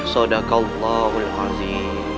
sodaka allahul azim